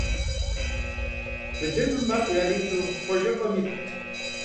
Былымым мэкъу яриту Хъуэжэ Ӏуэм итт.